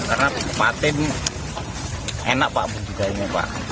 karena patin enak pak bu juga ini pak